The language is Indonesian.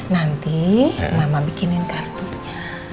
nanti mama bikinin kartunya